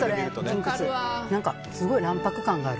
すごい卵白感がある。